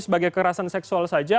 sebagai kekerasan seksual saja